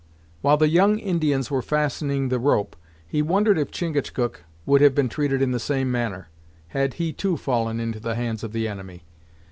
While the young Indians were fastening the rope, he wondered if Chingachgook would have been treated in the same manner, had he too fallen into the hands of the enemy.